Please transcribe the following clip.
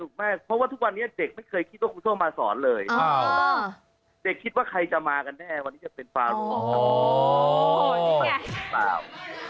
ไม่เพราะว่าทุกวันนี้เด็กไม่เคยคิดว่าครูส้มมาสอนเลยเด็กคิดว่าใครจะมากันแน่วันนี้จะเป็นฟารุครับ